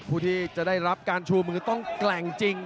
ผู้ที่จะได้รับการชูมือต้องแกร่งจริง